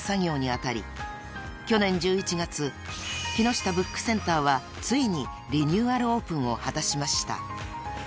［去年１１月きのしたブックセンターはついにリニューアルオープンを果たしました］